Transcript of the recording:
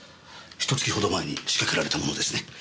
ひと月ほど前に仕掛けられたものですね。